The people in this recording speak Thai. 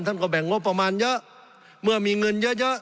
ท่านก็แบ่งงบประมาณเยอะเมื่อมีเงินเยอะเยอะ